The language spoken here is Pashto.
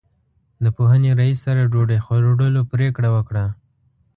د پوهنې رئیس سره ډوډۍ خوړلو پرېکړه وکړه.